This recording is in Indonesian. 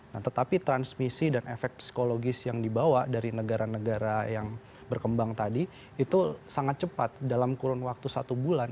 nah tetapi transmisi dan efek psikologis yang dibawa dari negara negara yang berkembang tadi itu sangat cepat dalam kurun waktu satu bulan